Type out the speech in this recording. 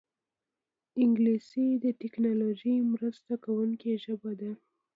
انګلیسي د ټیکنالوژۍ مرسته کوونکې ژبه ده